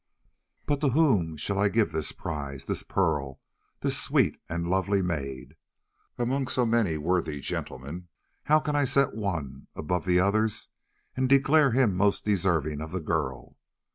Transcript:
"But to whom shall I give this prize, this pearl, this sweet and lovely maid? Among so many worthy gentlemen how can I set one above the others and declare him most deserving of the girl?